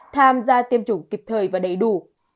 tham gia tiêm chủng kịp thời và đầy đủ